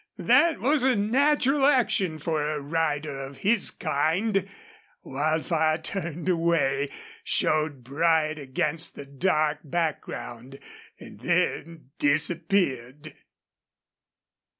That was a natural action for a rider of his kind. Wildfire turned away, showed bright against the dark background, and then disappeared.